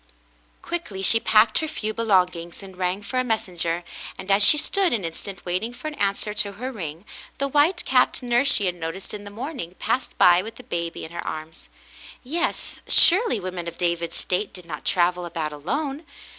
Quickly she packed her few belongings and rang for a messenger, and as she stood an instant waiting for an an swer to her ring, the white capped nurse she had noticed in the morning passed by with the baby in her arms. Yes, surely women of David's state did not travel about alone.